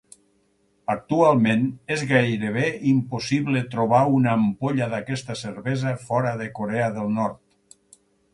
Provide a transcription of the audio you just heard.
Actualment, és gairebé impossible trobar una ampolla d'aquesta cervesa fora de Corea del Nord.